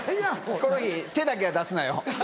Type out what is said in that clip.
ヒコロヒー手だけは出すなよ。